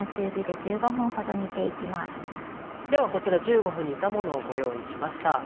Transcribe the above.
ではこちら１５分煮たものをご用意しました。